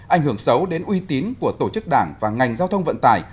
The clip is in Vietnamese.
ảnh hưởng xấu đến uy tín của tổ chức đảng và ngành giao thông vận tài